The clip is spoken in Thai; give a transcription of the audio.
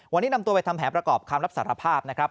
วันนี้นำตัวไปทำแผนประกอบคำรับสารภาพนะครับ